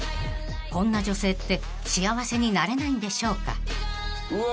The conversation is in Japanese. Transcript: ［こんな女性って幸せになれないんでしょうか］